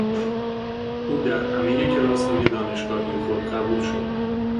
او در همهی کلاسهای دانشگاهی خود قبول شد.